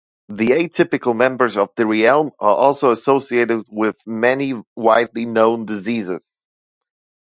The atypical members of the realm are also associated with many widely known diseases.